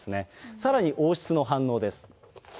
さらに王室の反応です。